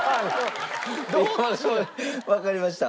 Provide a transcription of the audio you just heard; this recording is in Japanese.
わかりました。